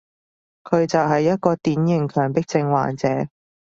佢就係一個典型強迫症患者